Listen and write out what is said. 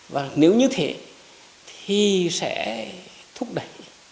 và nếu như thế thì sẽ thúc đẩy